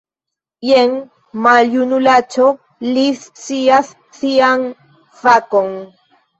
Jen, maljunulaĉo, li scias sian fakon!